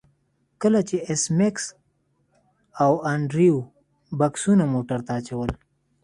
کله چې ایس میکس او انډریو بکسونه موټر ته اچول